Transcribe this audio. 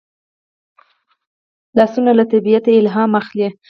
لاسونه له طبیعته الهام اخلي